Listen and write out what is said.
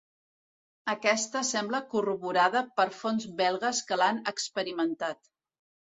Aquesta sembla corroborada per fonts belgues que l'han experimentat.